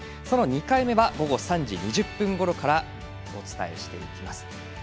その２回目は午後３時２０分ごろからお伝えします。